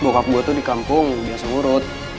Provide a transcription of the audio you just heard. bokap gue tuh di kampung biasa ngurut